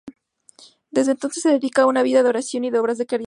Desde entonces se dedicó a una vida de oración y de obras de caridad.